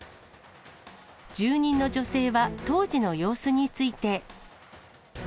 住人の女性は当時の様子について。